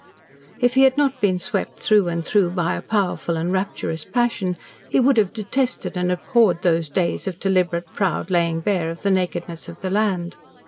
If he had not been swept through and through by a powerful and rapturous passion, he would have detested and abhorred these days of deliberate proud laying bare of the nakedness of the land.